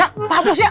ya pak bos ya